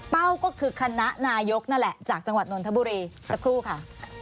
ก็คือคณะนายกนั่นแหละจากจังหวัดนทบุรีสักครู่ค่ะ